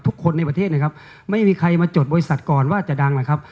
ทุกคนในประเทศนะครับไม่มีใครมาจดบริษัทก่อนว่าจะดังนะครับ